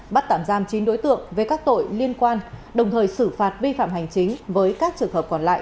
bắt tạm giam chín đối tượng về các tội liên quan đồng thời xử phạt vi phạm hành chính với các trường hợp còn lại